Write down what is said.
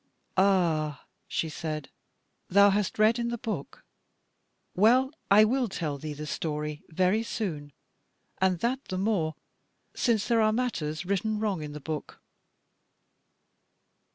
"Ah," she said, "thou hast read in the book well, I will tell thee the story very soon, and that the more since there are matters written wrong in the book."